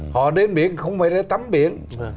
họ đến biển không phải để tắm biển